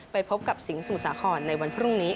ไปพบกับสิงห์สูงสาหรณ์ในวันพรุ่งนี้